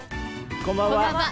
こんばんは。